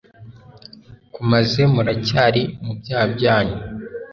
kumaze muracyari mu byaha byanyu